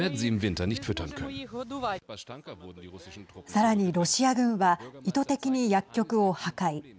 さらに、ロシア軍は意図的に薬局を破壊。